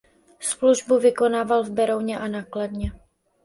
Službu vykonával v Berouně a na Kladně.